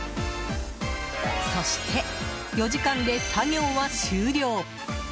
そして、４時間で作業は終了。